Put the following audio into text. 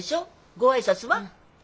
ご挨拶は？